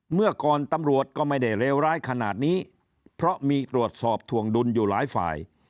เมื่อก่อนตำรวจก็ไม่ได้เลวร้ายขนาดนี้เพราะมีตรวจสอบถวงดุลอยู่หลายฝ่าย